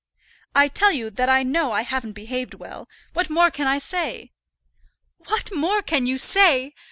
"I tell you that I know I haven't behaved well. What more can I say?" "What more can you say?